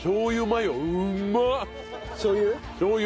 しょう油？